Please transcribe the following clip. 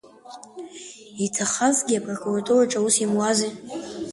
Иҭахазгьы апрокуратураҿы аус имуази.